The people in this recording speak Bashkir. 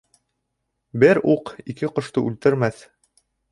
Бер уҡ ике ҡошто үлтермәҫ.